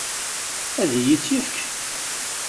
Ad iyi-tt-yefk?